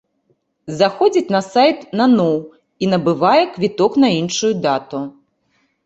Заходзіць на сайт наноў і набывае квіток на іншую дату.